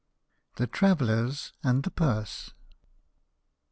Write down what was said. THE TRAVELLERS AND THE PURSE.